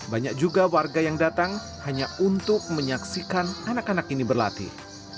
banyak juga warga yang datang hanya untuk menyaksikan anak anak ini berlatih